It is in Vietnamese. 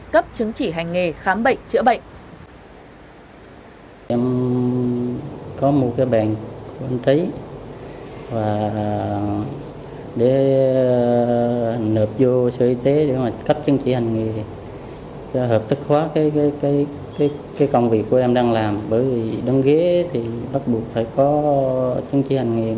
cấp chứng chỉ hành nghề khám bệnh chữa bệnh